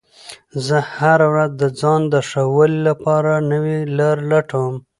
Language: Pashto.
زه هره ورځ د ځان د ښه والي لپاره نوې لارې لټوم